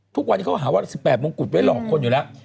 ทุกวันนี้เขาหาว่า๑๘มงกุฎไว้หลอกคนอยู่แล้ว